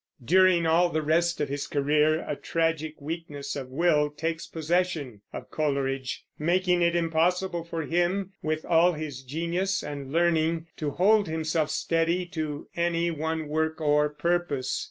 During all the rest of his career a tragic weakness of will takes possession of Coleridge, making it impossible for him, with all his genius and learning, to hold himself steadily to any one work or purpose.